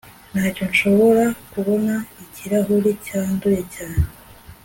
ntacyo nshobora kubona. ikirahuri cyanduye cyane